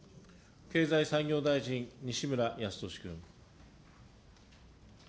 経済産業大臣、西村康稔君。